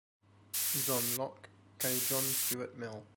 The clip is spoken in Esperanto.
John Locke kaj John Stuart Mill.